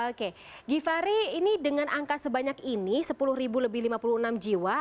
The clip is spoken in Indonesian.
oke givhary ini dengan angka sebanyak ini sepuluh lebih lima puluh enam jiwa